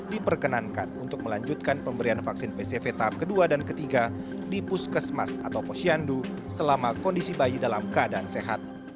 diperkenankan untuk melanjutkan pemberian vaksin pcv tahap kedua dan ketiga di puskesmas atau posyandu selama kondisi bayi dalam keadaan sehat